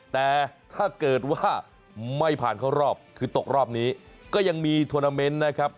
แต่ถ้าเกิดว่าไม่ผ่านเข้ารอบคือตกรอบนี้ก็ยังมีทวนาเมนต์นะครับ